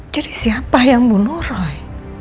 jadi siapa yang bunuh roy